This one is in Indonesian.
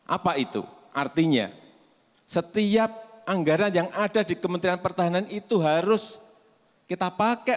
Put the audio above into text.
apa itu artinya setiap anggaran yang ada di kementerian pertahanan itu harus kita pakai